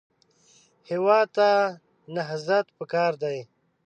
هېواد ته نهضت پکار دی